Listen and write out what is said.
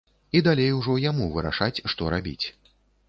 І далей ужо яму вырашаць, што рабіць.